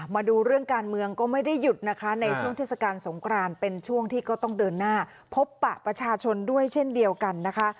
มาดูเรื่องการเมืองก็ไม่ได้หยุดนะคะในช่วงเทศกาลสงครานเป็นช่วงที่ก็ต้องเดินหน้าพบปะประชาชนด้วยเช่นเดียวกันนะคะ